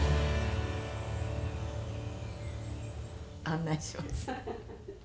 案内します。